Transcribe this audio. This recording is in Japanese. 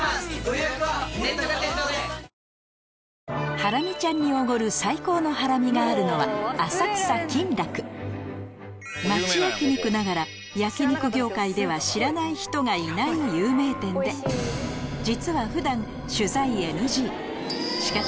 ハラミちゃんにおごる最高のハラミがあるのは町焼き肉ながら焼き肉業界では知らない人がいない有名店で実は普段しかし